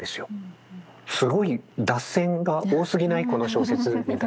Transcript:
すごい脱線が多すぎないこの小説みたいな。